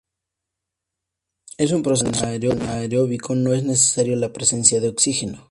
Es un proceso anaerobio, no es necesaria la presencia de oxígeno.